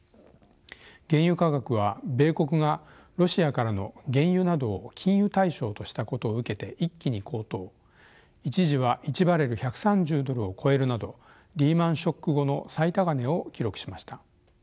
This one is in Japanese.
原油価格は米国がロシアからの原油などを禁輸対象としたことを受けて一気に高騰一時は１バレル１３０ドルを超えるなどリーマンショック後の最高値を記録しました。